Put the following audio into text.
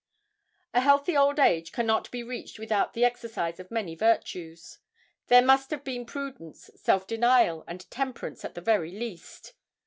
A healthy old age cannot be reached without the exercise of many virtues. There must have been prudence, self denial, and temperance at the very least.